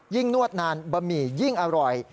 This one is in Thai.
นวดนานบะหมี่ยิ่งอร่อย